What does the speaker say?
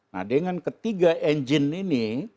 nah dengan ketiga engine ini